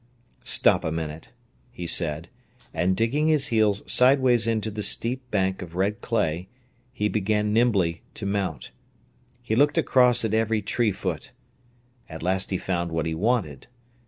"Stop a minute," he said, and, digging his heels sideways into the steep bank of red clay, he began nimbly to mount. He looked across at every tree foot. At last he found what he wanted.